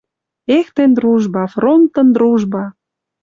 Эх тӹнь, дружба, фронтын дружба!